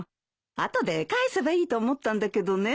後で返せばいいと思ったんだけどね。